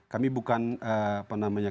kami bukan apa namanya